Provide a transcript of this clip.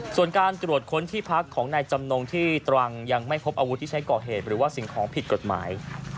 ส่วนการตรวจค้นที่พักของนายจำนงที่ตรังยังไม่พบอาวุธที่ใช้ก่อเหตุหรือว่าสิ่งของผิดกฎหมาย